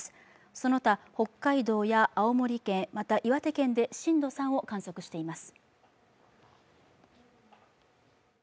その他、北海道や青森県、また岩手県で震度３を観測しています。